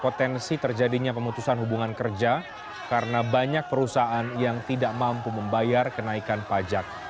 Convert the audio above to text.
potensi terjadinya pemutusan hubungan kerja karena banyak perusahaan yang tidak mampu membayar kenaikan pajak